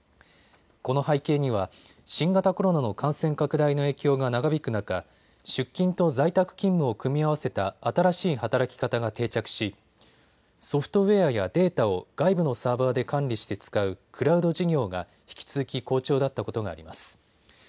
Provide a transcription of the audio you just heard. この背景には新型コロナの感染拡大の影響が長引く中、出勤と在宅勤務を組み合わせた新しい働き方が定着しソフトウエアやデータを外部のサーバーで管理して使うクラウド事業が引き続き好調だったことがあります。